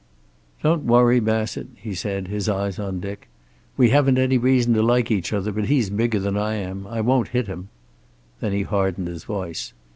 "Don't worry, Bassett," he said, his eyes on Dick. "We haven't any reason to like each other, but he's bigger than I am. I won't hit him." Then he hardened his voice.